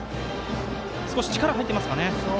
少し力が入っていますかね。